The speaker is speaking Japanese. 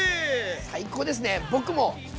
最高ですね。